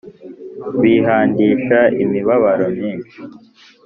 bihandisha imibabaro myinshi